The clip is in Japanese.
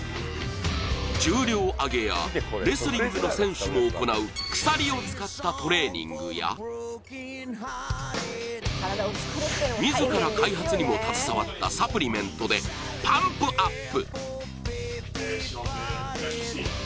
重量挙げやレスリングの選手も行う鎖を使ったトレーニングや自ら開発にも携わったサプリメントでパンプアップ。